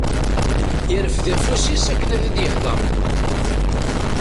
Yerfed afus-is akken ad d-yehder.